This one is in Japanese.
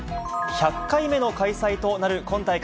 １００回目の開催となる今大会。